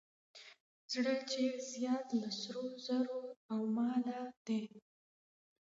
زړه چې زیات له سرو زرو او ماله دی.